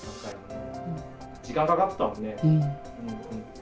時間かかってたもんね。